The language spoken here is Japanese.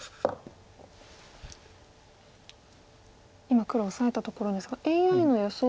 今黒オサえたところですがＡＩの予想